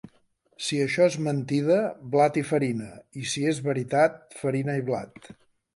Si això és mentida, blat i farina; i si és veritat, farina i blat.